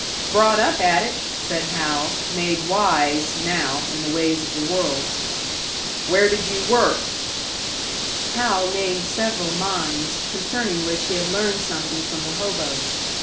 "Brought up at it," said Hal, made wise, now, in the ways of the world. "Where did you work?" Hal named several mines, concerning which he had learned something from the hoboes.